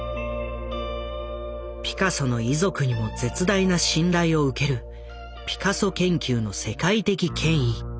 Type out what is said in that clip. ピカソの遺族にも絶大な信頼を受けるピカソ研究の世界的権威。